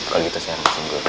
kalau gitu saya harus singgul